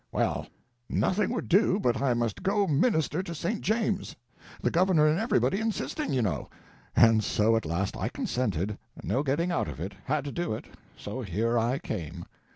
Well, nothing would do but I must go Minister to St. James, the Governor and everybody insisting, you know, and so at last I consented—no getting out of it, had to do it, so here I came.